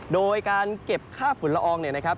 โดยการเก็บค่าฝุ่นละอองเนี่ยนะครับ